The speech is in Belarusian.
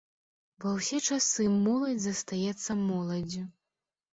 Ва ўсе часы моладзь застаецца моладдзю.